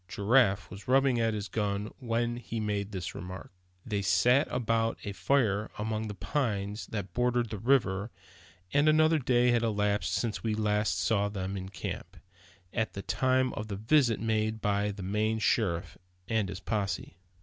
Giraffe was rubbing at his gun when he made this remark. They sat about a fire among the pines that bordered the river; and another day had elapsed since we last saw them in camp, at the time of the visit made by the Maine sheriff, and his posse.